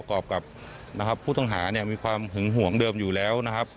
กรอบกับผู้ต้องหามีความหึงห่วงเดิมอยู่แล้วนะครับ